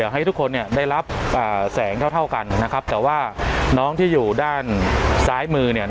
ให้ทุกคนได้รับแสงเท่ากันแต่ว่าน้องที่อยู่ด้านซ้ายมือ